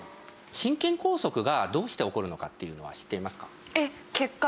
心筋梗塞がどうして起こるのかっていうのは知っていますか？